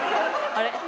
あれ？